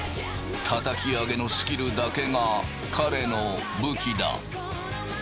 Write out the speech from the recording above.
たたき上げのスキルだけが彼の武器だ。